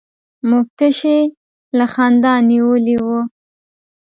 موږ تشي له خندا نيولي وو.